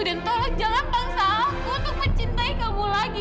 dan tolong jangan bangsa aku untuk mencintai kamu lagi